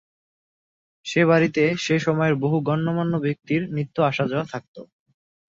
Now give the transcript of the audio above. সে বাড়িতে সে সময়ের বহু গণ্যমান্য ব্যক্তির নিত্য আসা যাওয়া থাকত।